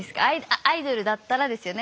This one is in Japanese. アイドルだったらですよね。